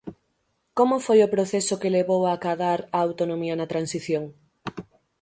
Como foi o proceso que levou a acadar a autonomía na Transición?